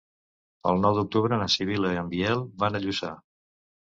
El nou d'octubre na Sibil·la i en Biel van a Lluçà.